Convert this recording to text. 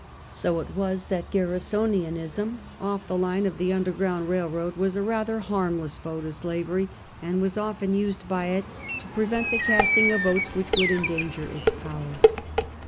So it was, that Garrisonianism, off the line of the underground railroad, was a rather harmless foe to slavery, and was often used by it to prevent the casting of votes which would endanger its power.